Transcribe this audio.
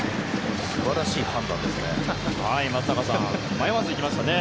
素晴らしい判断ですね。